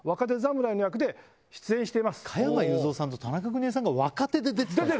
加山雄三さんと田中邦衛さんが若手で出てた？